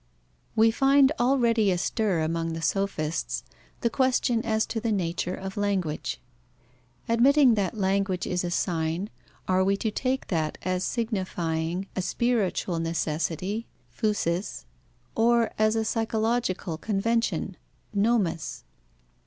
We find already astir among the sophists the question as to the nature of language. Admitting that language is a sign, are we to take that as signifying a spiritual necessity (phusis) or as a psychological convention (nomos)?